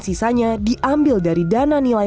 sisanya diambil dari dana nilai